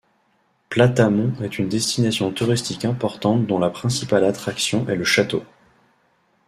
Platamon est une destination touristique importante dont la principale attraction est le château.